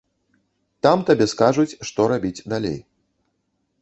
Там табе скажуць, што рабіць далей.